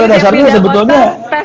ya pada dasarnya sebetulnya